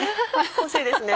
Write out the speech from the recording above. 欲しいですね